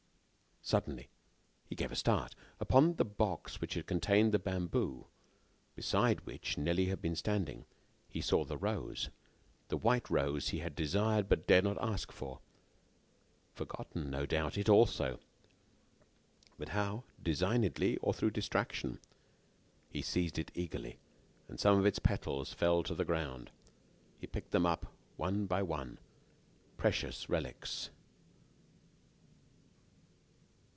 Suddenly, he gave a start. Upon the box which contained the bamboo, beside which Nelly had been standing, he saw the rose, the white rose which he had desired but dared not ask for. Forgotten, no doubt it, also! But how designedly or through distraction? He seized it eagerly. Some of its petals fell to the ground. He picked them up, one by one, like precious relics.